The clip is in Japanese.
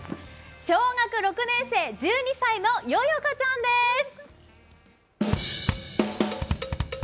小学６年生、１２歳のＹＯＹＯＫＡちゃんです。